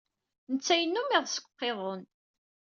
Netta yennum iḍes deg uqiḍun.